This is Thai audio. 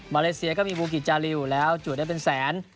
เลเซียก็มีบูกิจจาริวแล้วจูดได้เป็นแสน